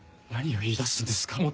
何を言い出すんですか！